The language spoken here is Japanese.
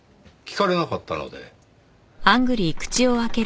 聞かれなかったので。